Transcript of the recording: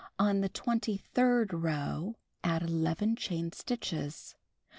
On the twenty third row, add 11 chain stitches.